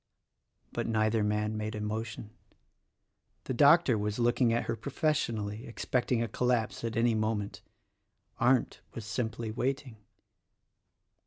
But neither man made a motion. The Doctor was looking at her professionally, expecting a collapse at any moment. Arndt was simply waiting.